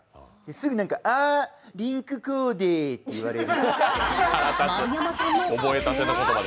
すぐ、あっリンクコーデとかって言われる。